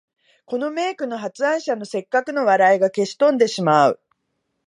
この名句の発案者の折角の笑いが消し飛んでしまう